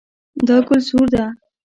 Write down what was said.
دا ګل سور ده